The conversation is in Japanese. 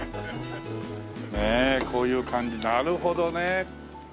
ねえこういう感じなるほどね。